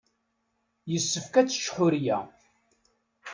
Yessefk ad tečč Ḥuriya.